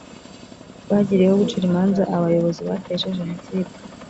rwagiriyeho gucira imanza abayobozi bateje jenoside